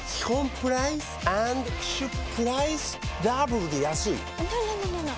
プライスダブルで安いＮｏ！